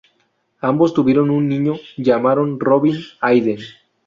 Ambos tuvieron un niño llamaron Robin Aiden.